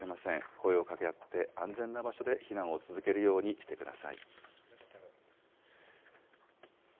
声をかけ合って安全な場所で避難を続けるようにしてください。